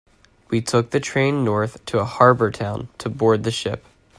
We took the train north to a harbor town to board the ship.